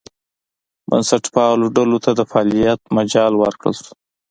بنسټپالو ډلو ته د فعالیت مجال ورکړل شو.